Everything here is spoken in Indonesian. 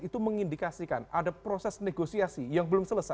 itu mengindikasikan ada proses negosiasi yang belum selesai